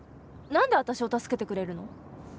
何で私を助けてくれるの？